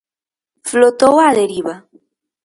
Flotou á deriva.